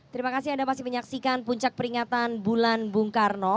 terima kasih anda masih menyaksikan puncak peringatan bulan bung karno